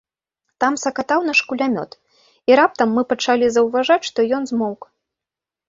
Там сакатаў наш кулямёт, і раптам мы пачалі заўважаць, што ён змоўк.